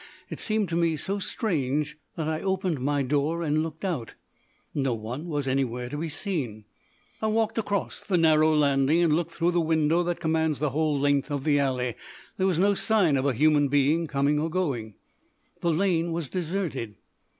It seemed to me so strange that I opened my door and looked out. No one was anywhere to be seen. I walked across the narrow landing, and looked through the window that commands the whole length of the alley. There was no sign of a human being, coming or going. The lane was deserted.